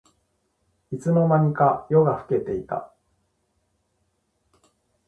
いつの間にか夜が更けていた